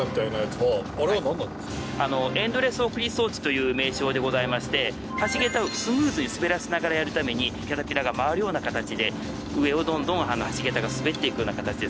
エンドレス送り装置という名称でございまして橋桁をスムーズに滑らせながらやるためにキャタピラーが回るような形で上をどんどん橋桁が滑っていくような形ですね。